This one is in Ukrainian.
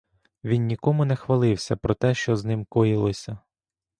Він нікому не хвалився про те, що з ним коїлося.